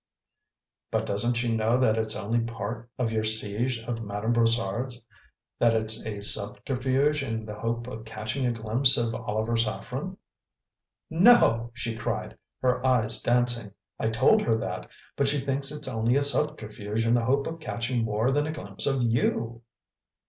"But doesn't she know that it's only part of your siege of Madame Brossard's; that it's a subterfuge in the hope of catching a glimpse of Oliver Saffren?" "No!" she cried, her eyes dancing; "I told her that, but she thinks it's only a subterfuge in the hope of catching more than a glimpse of you!"